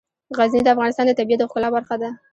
غزني د افغانستان د طبیعت د ښکلا برخه ده.